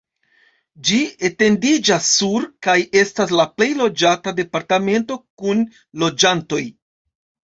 Ĝi etendiĝas sur kaj estas la plej loĝata departemento kun loĝantoj.